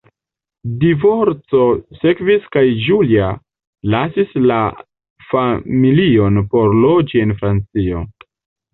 Divorco sekvis kaj Julia lasis la familion por loĝi en Francion.